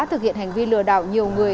thực hiện hành vi lừa đảo nhiều người